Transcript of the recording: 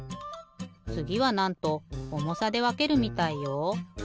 つぎはなんと重さでわけるみたいよ。